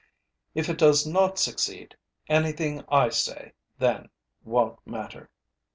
If it does not succeed, anything I say then wonÆt matter.